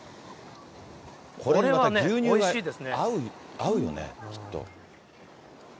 これはまた牛乳が合うよね、きっと。